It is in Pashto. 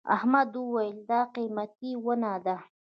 احمد وويل: دا قيمتي ونه ده.